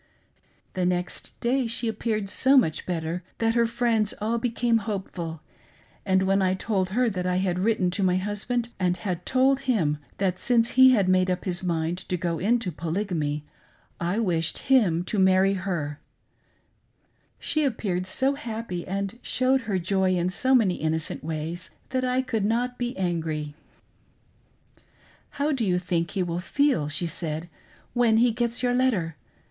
The next day she appeared so much better that her friends all became hopeful, and when I told her that I had written to my husband and had told him, that since he had made up his mind to go into Polygamy, I wished him to marry her, she appeared so happy and showed her joy in so many innocent ways that I could not be angry. " How do you think he will feel," she said, " when he gets your letter.'